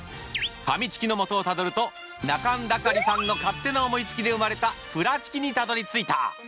ファミチキのモトをタドルと仲村渠さんの勝手な思い付きで生まれたフラチキにたどり着いた。